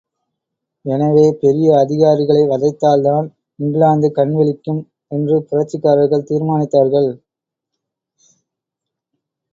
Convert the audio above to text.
எனவே பெரிய அதிகாரிகளை வதைத்தால் தான் இங்கிலாந்து கண்விழிக்கும் என்று புரட்சிக்காரர்கள் தீர்மானித்தார்கள்.